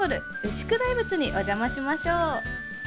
牛久大仏にお邪魔しましょう。